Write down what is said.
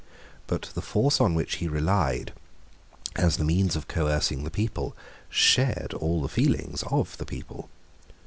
But the force on which he relied as the means of coercing the people shared all the feelings of the people.